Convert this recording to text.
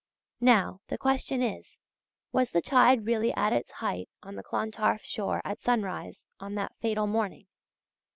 Now, the question is, was the tide really at its height on the Clontarf shore at sunrise on that fatal morning?